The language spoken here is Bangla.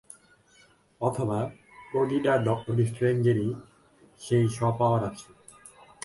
অথবা, প্রতিটা ডক্টর স্ট্রেঞ্জেরই সেই সপাওয়ার আছে।